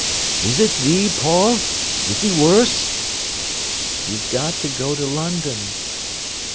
"Is it thee, Paul? Is 'e worse?" "You've got to go to London."